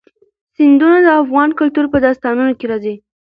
سیندونه د افغان کلتور په داستانونو کې راځي.